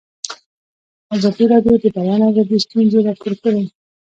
ازادي راډیو د د بیان آزادي ستونزې راپور کړي.